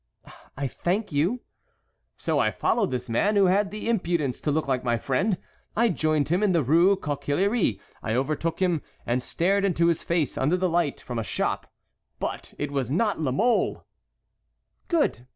"I thank you!" "So I followed this man who had the impudence to look like my friend. I joined him in the Rue Coquillière, I overtook him, and stared into his face under the light from a shop. But it was not La Mole." "Good!